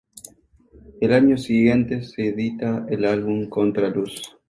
Al año siguiente se edita el álbum "Contraluz".